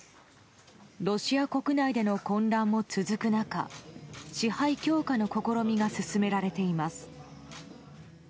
ロシア国内での混乱も続く中支配強化の試みが進められています。